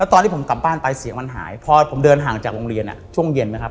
ตอนที่ผมกลับบ้านไปเสียงมันหายพอผมเดินห่างจากโรงเรียนช่วงเย็นไหมครับ